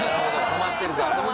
止まってるから。